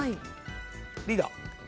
リーダー。